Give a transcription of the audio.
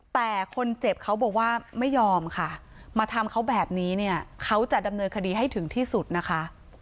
แต่คนเจ็บเขาบอกว่าไม่ยอมค่ะมาทำเขาแบบนี้เนี่ยเขาจะดำเนินคดีให้ถึงที่สุดนะคะ